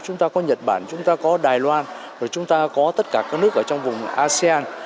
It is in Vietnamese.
chúng ta có nhật bản chúng ta có đài loan rồi chúng ta có tất cả các nước ở trong vùng asean